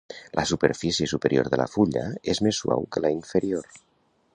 La superfície superior de la fulla és més suau que la inferior.